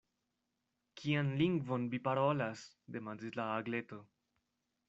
“Kian lingvon vi parolas?” demandis la Agleto.